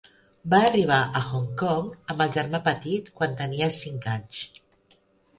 Va arribar a Hong Kong amb el germà petit quan tenia cinc anys.